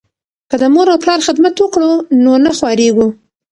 که د مور او پلار خدمت وکړو نو نه خواریږو.